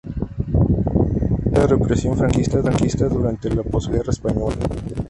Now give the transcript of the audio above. Estudió la represión franquista durante la posguerra española.